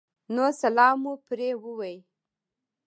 نو سلام مو پرې ووې